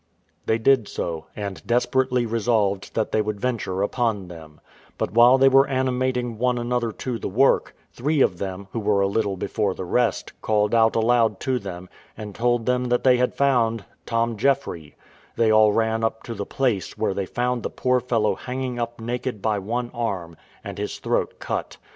They did so, and desperately resolved that they would venture upon them: but while they were animating one another to the work, three of them, who were a little before the rest, called out aloud to them, and told them that they had found Tom Jeffry: they all ran up to the place, where they found the poor fellow hanging up naked by one arm, and his throat cut.